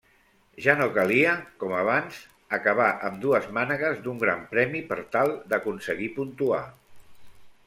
Ja no calia, com abans, acabar ambdues mànegues d'un Gran Premi per tal d'aconseguir puntuar.